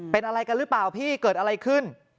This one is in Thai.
เป็นอะไรกันหรือเปล่าพี่เกิดอะไรขึ้น